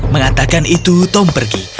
mengatakan itu tom pergi